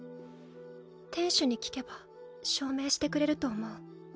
店主に聞けば証明してくれると思う。